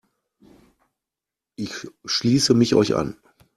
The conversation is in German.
Ich schließe mich euch an.